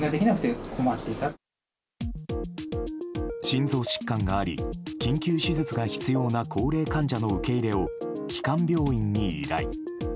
心臓疾患があり緊急手術が必要な高齢患者の受け入れを基幹病院に依頼。